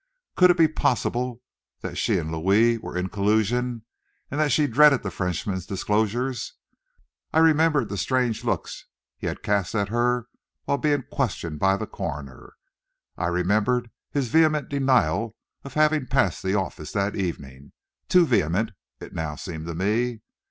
Could it be possible that she and Louis were in collusion, and that she dreaded the Frenchman's disclosures? I remembered the strange looks he had cast at her while being questioned by the coroner. I remembered his vehement denial of having passed the office that evening, too vehement, it now seemed to me.